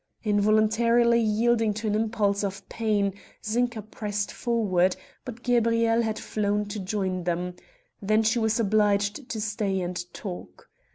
Involuntarily yielding to an impulse of pain Zinka pressed forward, but Gabrielle had flown to join them; then she was obliged to stay and talk.